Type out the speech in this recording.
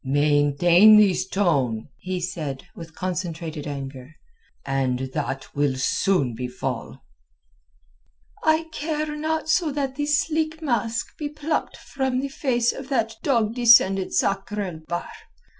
"Maintain this tone," he said, with concentrated anger, "and that will soon befall." "I care not so that the sleek mask be plucked from the face of that dog descended Sakr el Bahr.